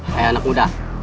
hei anak muda